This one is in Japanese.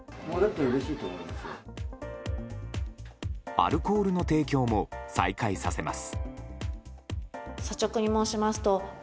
アルコールの提供も再開させます。